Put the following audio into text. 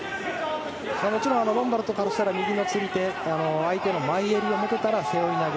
もちろんロンバルドからしたら右の釣り手相手の前襟を持てたら背負い投げ。